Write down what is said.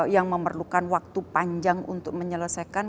yang memerlukan waktu panjang untuk menyelesaikan